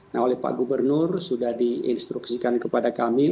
nah oleh pak gubernur sudah diinstruksikan kepada kami